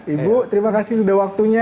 ibu terima kasih sudah waktunya